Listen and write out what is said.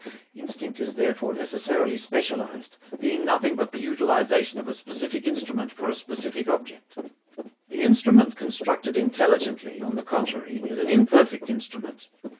Instinct is therefore necessarily specialized, being nothing but the utilization of a specific instrument for a specific object. The instrument constructed intelligently, on the contrary, is an imperfect instrument.